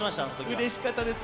うれしかったです。